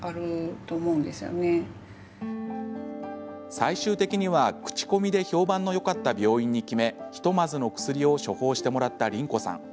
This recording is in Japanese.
最終的には口コミで評判のよかった病院に決めひとまずの薬を処方してもらった、りん子さん。